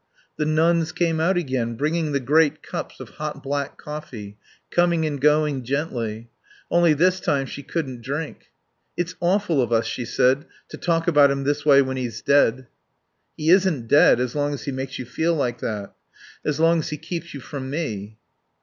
The nuns came out again, bringing the great cups of hot black coffee, coming and going gently. Only this time she couldn't drink. "It's awful of us," she said, "to talk about him this way when he's dead." "He isn't dead as long as he makes you feel like that. As long as he keeps you from me."